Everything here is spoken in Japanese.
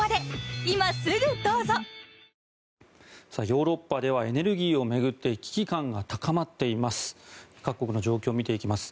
ヨーロッパではエネルギーを巡って危機感が高まっています。